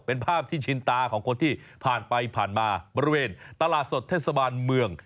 เป็นภาพที่ชินตาของคนที่ผ่านไปผ่านมาบริเวณตลาดสดเทศบาลเมือง